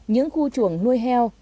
những khu chuồng nuôi heo